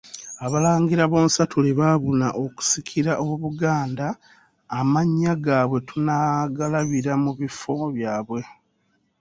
Abalangira bonsatule baabuna okusikira Obuganda, amannya gaabwe tunaagalabira mu bifo byabwe.